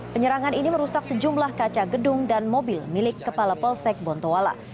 penyerangan ini merusak sejumlah kaca gedung dan mobil milik kepala polsek bontoala